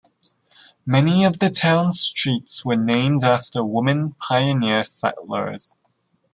Many of the town's streets were named after women pioneer settlers.